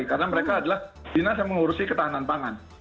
karena mereka adalah dinas yang mengurusi ketahanan pangan